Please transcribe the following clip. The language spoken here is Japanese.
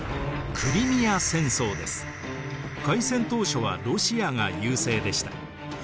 開戦当初はロシアが優勢でした。